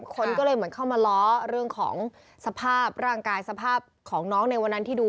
คนก็เลยเหมือนเข้ามาล้อเรื่องของสภาพร่างกายสภาพของน้องในวันนั้นที่ดู